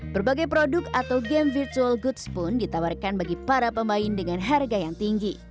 berbagai produk atau game virtual goods pun ditawarkan bagi para pemain dengan harga yang tinggi